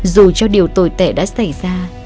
dù cho điều tồi tệ đã xảy ra